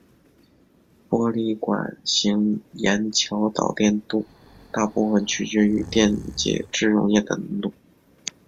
玻璃管型盐桥导电度大部分取决于电解质溶液的浓度。